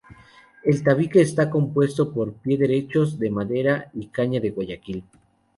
El tabique está compuesto por pie derechos de madera y caña de Guayaquil.